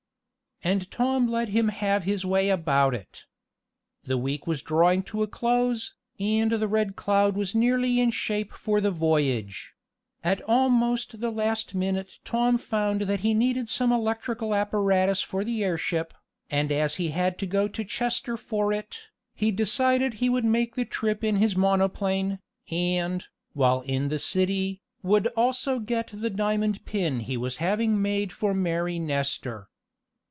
And Tom let him have his way about it. The week was drawing to a close, and the Red Cloud was nearly in shape for the voyage. At almost the last minute Tom found that he needed some electrical apparatus for the airship, and as he had to go to Chester for it, he decided he would make the trip in his monoplane, and, while in the city, would also get the diamond pin he was having made for Mary Nestor.